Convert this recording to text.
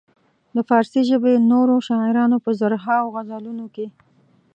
د فارسي ژبې نورو شاعرانو په زرهاوو غزلونو کې.